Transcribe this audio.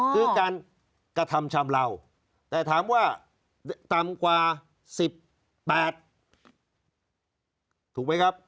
คือการกระทำชำเลาแต่ถามว่าต่ำกว่า๑๘ถูกไหมครับ